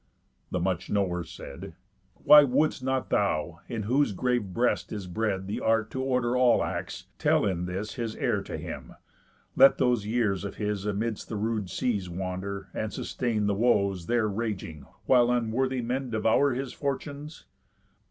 The much knower said: "Why wouldst not thou, in whose grave breast is bred The art to order all acts, tell in this His error to him? Let those years of his Amids the rude seas wander, and sustain The woes there raging, while unworthy men Devour his fortunes?"